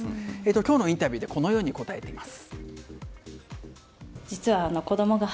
今日のインタビューでこのように答えております。